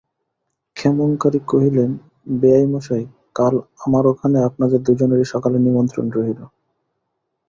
ক্ষেমংকরী কহিলেন, বেয়াইমশায়, কাল আমার ওখানে আপনাদের দুজনেরই সকালে নিমন্ত্রণ রহিল।